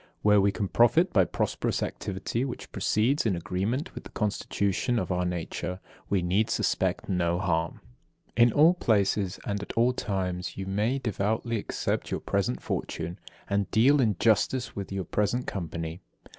Where we can profit by prosperous activity which proceeds in agreement with the constitution of our nature, we need suspect no harm. 54. In all places, and at all times you may devoutly accept your present fortune, and deal in justice with your present company.